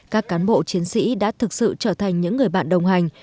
các cán bộ chiến sĩ đã thực sự trở thành những người bạn đồng hành